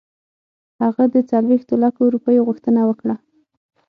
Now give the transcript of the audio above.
هغه د څلوېښتو لکو روپیو غوښتنه وکړه.